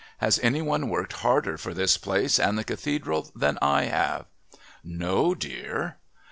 Has any one worked harder for this place and the Cathedral than I have?" "No, dear."